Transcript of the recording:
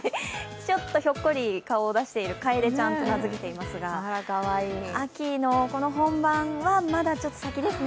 ひょっこり顔を出している、かえでちゃんと名付けていますが秋の本番はまだちょっと先ですね。